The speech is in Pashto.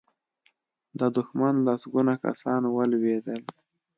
د دښمن لسګونه کسان ولوېدل.